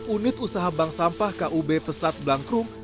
unit usaha bank sampah kub pesat blankrum